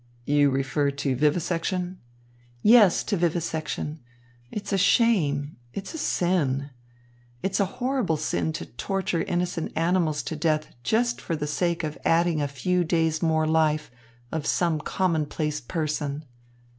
"You refer to vivisection?" "Yes, to vivisection. It's a shame, it's a sin. It's a horrible sin to torture innocent animals to death just for the sake of adding a few days more to the life of some commonplace person."